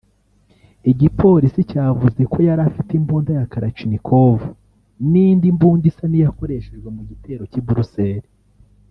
Igipolisi cyavuze ko yarafite imbunda ya Kalashnikov n’indi mbunda isa n’iyakoreshejwe mu gitero cy’i Bruxelles